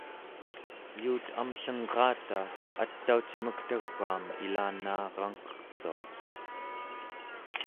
yuut amllengraata ataucimek tau͡gam ilanaarangqertua